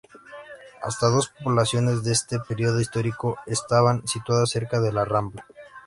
Hasta dos poblaciones de este periodo histórico estaban situadas cerca de la rambla.